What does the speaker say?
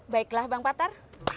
baiklah bang patar